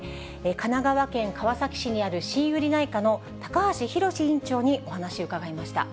神奈川県川崎市にある新ゆり内科の高橋央院長にお話伺いました。